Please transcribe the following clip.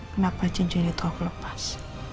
kenapa cincin itu aku lepas